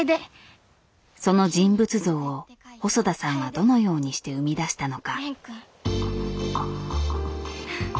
その人物像を細田さんはどのようにして生み出したのか。